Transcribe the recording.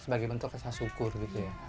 sebagai bentuk kesasukur gitu ya